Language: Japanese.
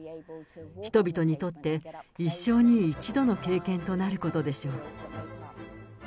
人々にとって一生に一度の経験となることでしょう。